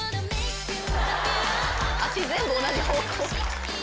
足全部同じ方向。